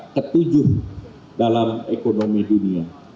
ketujuh dalam ekonomi dunia